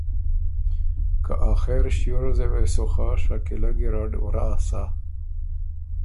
که آخر ݭيې ریوزه وې سو خه شکیله ګیرډ ورا سَۀ